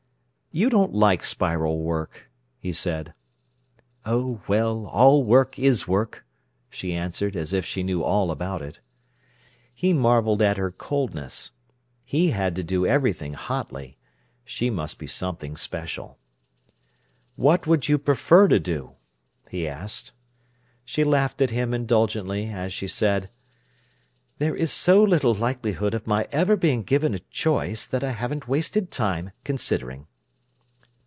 "You don't like Spiral work," he said. "Oh, well, all work is work," she answered, as if she knew all about it. He marvelled at her coldness. He had to do everything hotly. She must be something special. "What would you prefer to do?" he asked. She laughed at him indulgently, as she said: "There is so little likelihood of my ever being given a choice, that I haven't wasted time considering."